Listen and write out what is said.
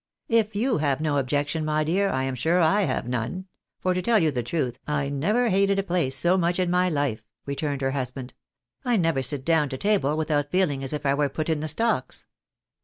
"K you have no objection, my dear, I am sure J have none; for to tell you the truth, I never hated a place so much in my life," returned her husband. " I never sit down to table without feeling as if I were put in the stocks.